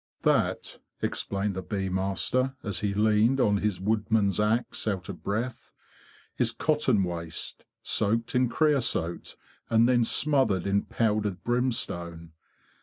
"That," explained the bee master, as he leaned on his woodman's axe out of breath, "is cotton waste, soaked in creosote, and then smothered in powdered brimstone.